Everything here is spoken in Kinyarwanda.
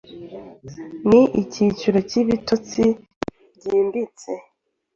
ni ikiciro cy’ibitotsi byimbitse